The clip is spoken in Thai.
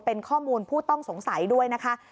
เป็นข้อมูลผู้ต้องสงสัยด้วยนะคะ